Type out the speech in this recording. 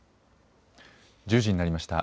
１０時になりました。